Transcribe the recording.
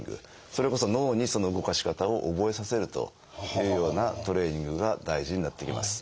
それこそ脳にその動かし方を覚えさせるというようなトレーニングが大事になってきます。